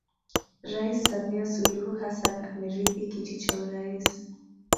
Rais Samia Suluhu Hassan amerithi kiti cha urais